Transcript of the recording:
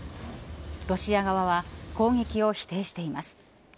ロシア側は攻撃を否定しています。